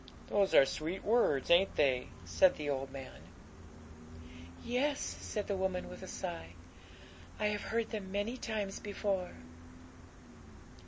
'Those are sweet words, ain't they?' said the old man. 'Yes,' said the woman, with a sigh; 'I have heard them many times before.'